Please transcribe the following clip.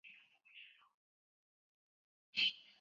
柳叶鳞花草为爵床科鳞花草属下的一个种。